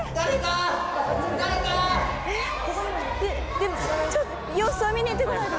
でもちょっと様子を見に行ってこないと。